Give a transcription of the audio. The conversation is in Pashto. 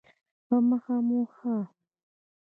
په مخه مو ښه؟